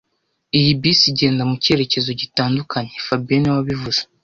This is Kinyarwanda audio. Iyi bisi igenda mucyerekezo gitandukanye fabien niwe wabivuze